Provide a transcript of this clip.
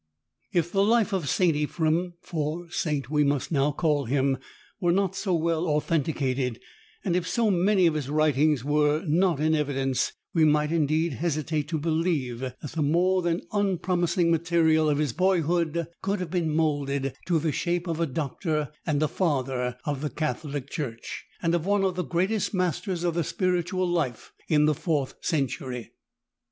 If the life of St. Ephrem — for Saint we must now call him — were not so well authenticated, and if so many of his writings were not in evidence, we might indeed hesitate to believe that the more than unpromising material of his boy 169 hood could have been moulded to the shape of a Doctor and a Father of the Catholic Church, and of one of the greatest masters of the spiritual life in the fourth century.